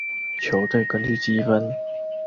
球队根据积分。